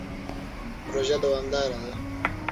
پروژه دوامداره ده.